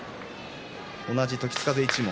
同じ時津風一門。